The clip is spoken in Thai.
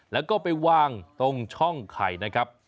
แล้วก็ไปวางตรงช่องไข่นะครับ